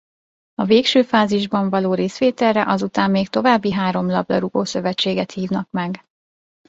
A végső fázisban való részvételre azután még további három labdarúgó-szövetséget hívnak meg.